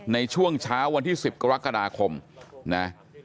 ในช่วงเช้าวันที่๑๐กรกฎาคมนะ